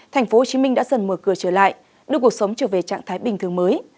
tp hcm đã dần mở cửa trở lại đưa cuộc sống trở về trạng thái bình thường mới